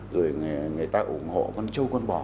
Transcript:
rồi người ta ủng hộ con trâu con bò